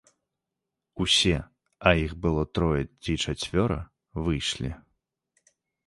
Усе, а іх было трое ці чацвёра, выйшлі.